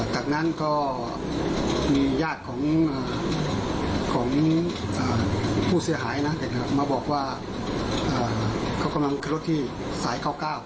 จากนั้นก็มีญาติของผู้เสียหายนะมาบอกว่าเขากำลังขึ้นรถที่สาย๙๙